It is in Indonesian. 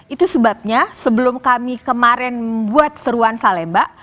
itu sebabnya sebelum kami kemarin membuat seruan salemba